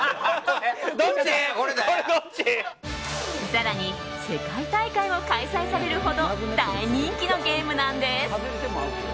更に、世界大会も開催されるほど大人気のゲームなんです。